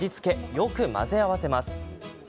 よく混ぜ合わせます。